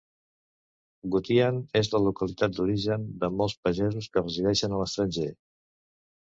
Gutian és la localitat d'origen de molts pagesos que resideixen a l'estranger.